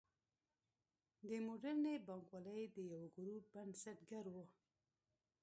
د موډرنې بانکوالۍ د یوه ګروپ بنسټګر و.